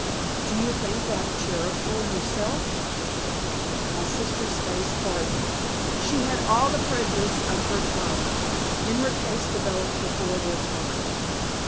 Do you think that charitable yourself?" My sister's face hardened. She had all the prejudices of her type, in her case developed before their time.